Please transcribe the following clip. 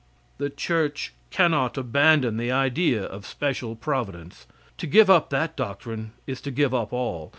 The church cannot abandon the idea of special providence. To give up that doctrine is to give up all.